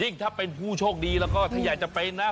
ถ้าเป็นผู้โชคดีแล้วก็ถ้าอยากจะเป็นนะ